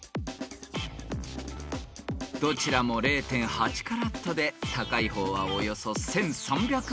［どちらも０．８カラットで高い方はおよそ１，３００万円］